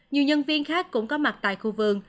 nhiều nhân viên khác cũng có mặt tại khu vườn